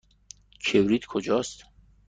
کبریت کجاست؟